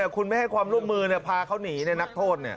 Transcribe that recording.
คุณไม่ให้ความร่วมมือพาเขาหนีในนักโทษ